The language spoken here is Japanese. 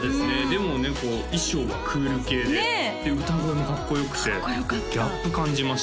でもね衣装はクール系でで歌声もかっこよくてかっこよかったギャップ感じました